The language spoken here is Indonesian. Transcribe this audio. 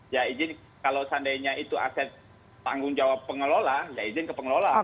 ya izin kalau seandainya itu aset tanggung jawab pengelola ya izin ke pengelola